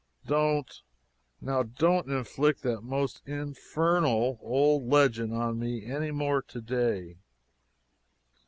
Don't now don't inflict that most in FERNAL old legend on me anymore today!"